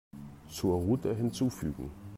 Zur Route hinzufügen.